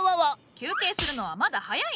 休憩するのはまだ早い！